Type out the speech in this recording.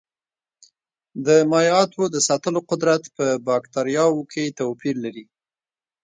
د مایعاتو د ساتلو قدرت په بکټریاوو کې توپیر لري.